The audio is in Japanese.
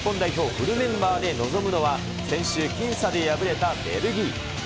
フルメンバーで臨むのは、先週、僅差で敗れたベルギー。